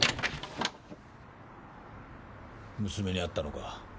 娘に会ったのか？